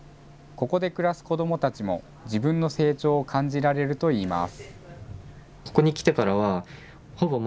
ここで暮らす子どもたちも自分の成長を感じられるといいます。